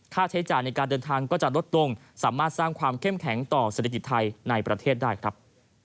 ใช้จ่ายในการเดินทางก็จะลดลงสามารถสร้างความเข้มแข็งต่อเศรษฐกิจไทยในประเทศได้ครับ